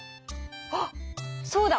あっそうだ！